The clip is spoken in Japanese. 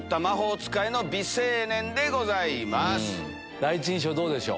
第一印象どうでしょう？